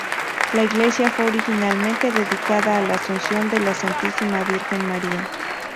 La iglesia fue originalmente dedicada a la Asunción de la Santísima Virgen María.